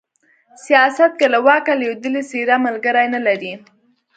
سياست کې له واکه لوېدلې څېره ملگري نه لري